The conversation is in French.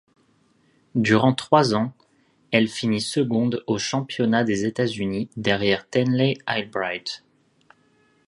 Durant trois ans, elle finit seconde aux championnats des États-Unis derrière Tenley Albright.